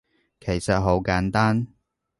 其實好簡單